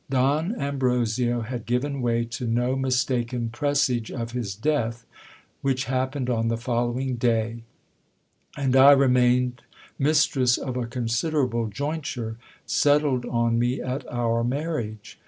Don Ambrosio had given way to no mis taken presage of his death, which happened on the following day ; and I re mained mistress of a considerable jointure, settled on me at our marriage.